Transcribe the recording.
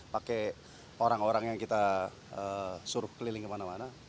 pakai orang orang yang kita suruh keliling kemana mana